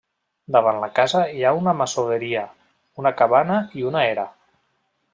Davant la casa hi ha una masoveria, una cabana i una era.